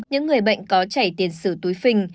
những người bệnh có chảy tiền xử túi phình